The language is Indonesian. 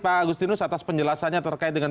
pak agustinus atas penjelasannya terkait dengan